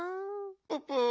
ププ。